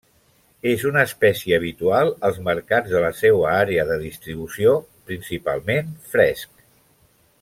És una espècie habitual als mercats de la seua àrea de distribució, principalment fresc.